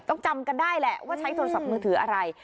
จำกันได้แหละว่าใช้โทรศัพท์มือถืออะไร